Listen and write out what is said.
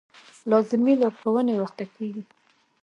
لازمې لارښوونې ورته کېږي.